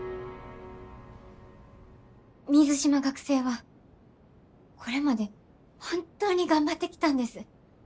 水島学生はこれまで本当に頑張ってきたんです。